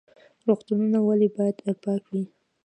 روغتونونه ولې باید پاک وي؟